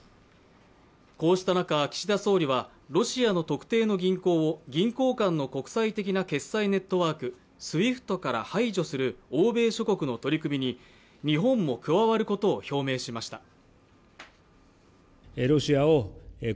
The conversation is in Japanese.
こうした中、岸田総理はロシアの特定の銀行を銀行間の国際的な決済ネットワーク、ＳＷＩＦＴから排除する欧米諸国の取り組みに日本も加わることを表明しました。